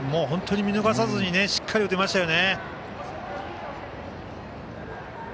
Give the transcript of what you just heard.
本当に見逃さずにしっかり打てましたよね。